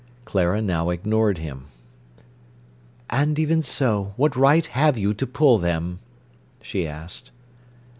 Clara now ignored him. "And even so—what right have you to pull them?" she asked.